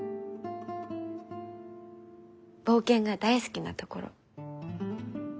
冒険が大好きなところ。